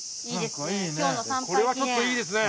いいですね。